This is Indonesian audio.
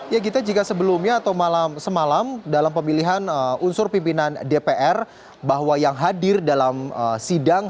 ya gita jika sebelumnya atau malam semalam dalam pemilihan unsur pimpinan dpr bahwa yang hadir dalam sidang